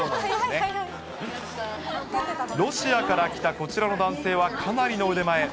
ロシア来たこちらの男性はかなりの腕前。